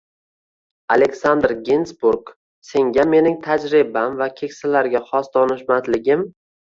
Aleksandr Ginzburg “Senga mening tajribam va keksalarga xos donishmandligim